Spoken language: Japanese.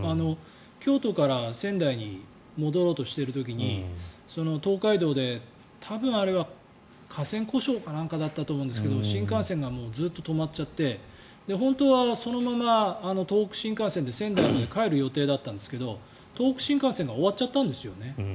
京都から仙台に戻ろうとしている時に東海道で多分、あれは架線故障かなんかだったと思うんですが新幹線がずっと止まっちゃって本当はそのまま東北新幹線で仙台まで帰る予定だったんですが東北新幹線が終わっちゃったんですよね。